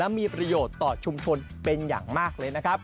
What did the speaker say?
มีประโยชน์ต่อชุมชนเป็นอย่างมากเลยนะครับ